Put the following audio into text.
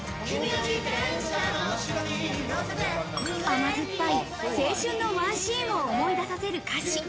甘酸っぱい青春のワンシーンを思い出させる歌詞。